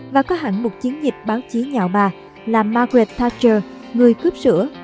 và có hẳn một chiến dịch báo chí nhạo bà là margaret thatcher người cướp sữa